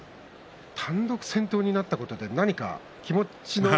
単独先頭になったことで何か気持ちの。